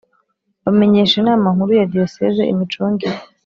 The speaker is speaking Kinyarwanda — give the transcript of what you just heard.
bamenyesha Inama nkuru ya Diyoseze imicungire